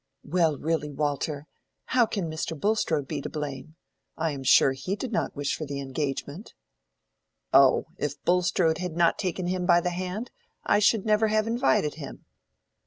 "Well, really, Walter, how can Mr. Bulstrode be to blame? I am sure he did not wish for the engagement." "Oh, if Bulstrode had not taken him by the hand, I should never have invited him."